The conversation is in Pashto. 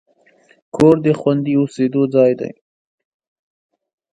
کور د خوندي اوسېدو ځای دی.